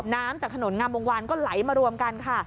น้ำจากถนนงามวงวานก็ไหลมารวมกันค่ะ